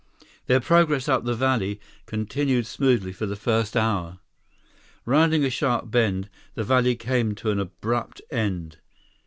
Their progress up the valley continued smoothly for the first hour. Rounding a sharp bend, the valley came to an abrupt end.